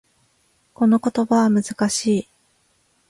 この言語は難しい。